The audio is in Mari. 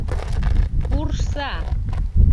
— Куржса!